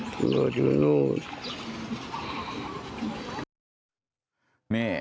ดีกว่าอยู่นู้น